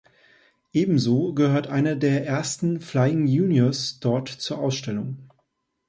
Ebenso gehört einer der ersten Flying Juniors dort zur Ausstellung.